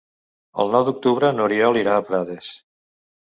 El nou d'octubre n'Oriol irà a Prades.